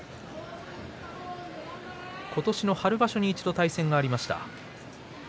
今年の春場所一度対戦がありました。